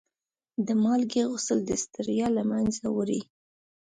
د مالګې غسل د ستړیا له منځه وړي.